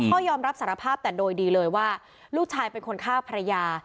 ยอมรับสารภาพแต่โดยดีเลยว่าลูกชายเป็นคนฆ่าภรรยา